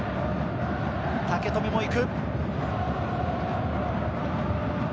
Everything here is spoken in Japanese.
武富も行く。